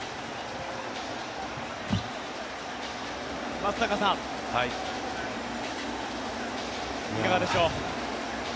松坂さん、いかがでしょう。